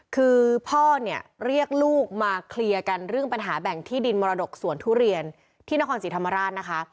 คือพ่อเนี่ยเรียกลูกมาเคลียร์กันเรื่องปัญหาแบ่งที่ดินมรดกสวนทุเรียนที่นครศรีธรรมราชนะคะ